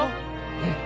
うん！